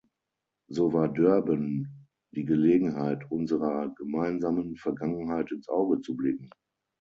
So war Durban die Gelegenheit, unserer gemeinsamen Vergangenheit ins Auge zu blicken.